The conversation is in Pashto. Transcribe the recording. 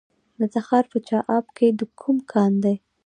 د تخار په چاه اب کې کوم کان دی؟